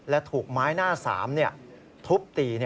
และถูกไม้หน้า๓ทุบตี